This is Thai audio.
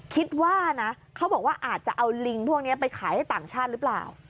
คิดว่านะเขาบอกว่าอาจจะเอาลิงพวกนี้ไปขายให้ต่างชาติหรือเปล่า